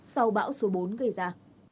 sau bão số bốn gây ra